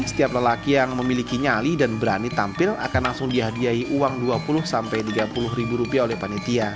setiap lelaki yang memiliki nyali dan berani tampil akan langsung dihadiahi uang dua puluh tiga puluh ribu rupiah oleh panitia